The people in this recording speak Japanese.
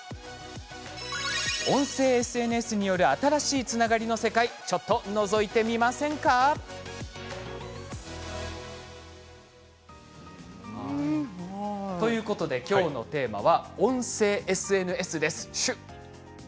音声ＳＮＳによる新しいつながりの世界ちょっと、のぞいてみませんか？ということで、きょうのテーマは音声ＳＮＳです。